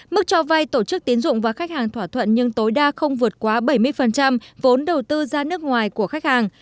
mức cho vay tổ chức tiến dụng và khách hàng thỏa thuận nhưng tối đa không vượt quá bảy mươi vốn đầu tư ra nước ngoài của khách hàng